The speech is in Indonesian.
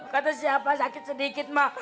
kata siapa sakit sedikit mah